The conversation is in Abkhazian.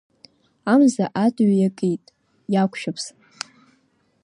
Амза атыҩ иакит, иақәшәыԥса!